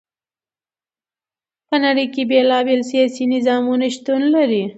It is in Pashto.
په نړی کی بیلا بیل سیاسی نظامونه شتون لری.